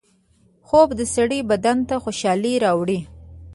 خوب د سړي بدن ته خوشحالۍ راوړي